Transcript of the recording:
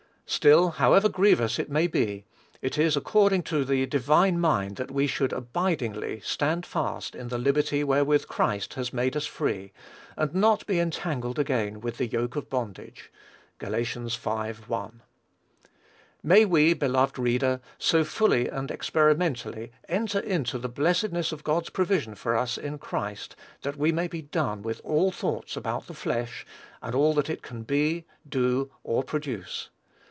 Still, however grievous it may be, it is according to the divine mind that we should abidingly "stand fast in the liberty wherewith Christ hath made us free, and not be entangled again with the yoke of bondage." (Gal. v. 1.) May we, beloved reader, so fully and experimentally enter into the blessedness of God's provision for us in Christ that we may be done with all thoughts about the flesh, and all that it can be, do, or produce.